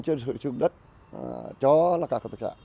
cho các hợp tác xã